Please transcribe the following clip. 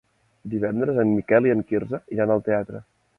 Divendres en Miquel i en Quirze iran al teatre.